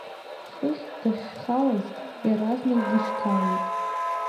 Хыхь дахьхалаз еразнак дышьҭалеит.